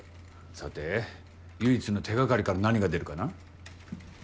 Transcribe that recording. さて唯一の手掛かりから何が出るかな？